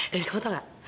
dan kamu tahu nggak